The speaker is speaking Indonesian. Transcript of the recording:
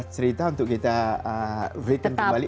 cerita untuk kita weekend kembali